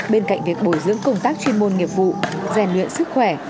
bên cạnh việc bồi dưỡng công tác chuyên môn nghiệp vụ rèn luyện sức khỏe